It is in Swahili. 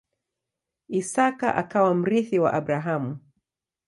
Isaka akawa mrithi wa Abrahamu.